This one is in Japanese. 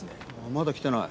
まだ来てない？